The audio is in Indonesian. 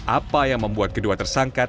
apa yang membuat kedua tersangka